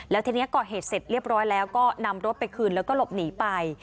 แล้วทีนี้ก่อเหตุเสร็จเรียบร้อยแล้วก็นำรถไปคืนแล้วก็หลบหนีไป